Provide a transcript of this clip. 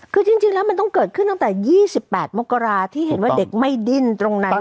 คือจริงแล้วมันต้องเกิดขึ้นตั้งแต่๒๘มกราที่เห็นว่าเด็กไม่ดิ้นตรงนั้น